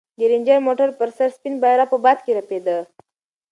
د رنجر موټر پر سر سپین بیرغ په باد کې رپېده.